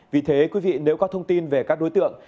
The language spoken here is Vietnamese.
vì thế nếu có thông tin về các đối tượng